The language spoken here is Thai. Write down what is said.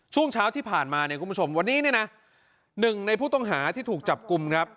ช่วงเช้าที่ผ่านมาวันนี้นะ๑ในผู้ต้องหาที่ถูกจับกุมครับ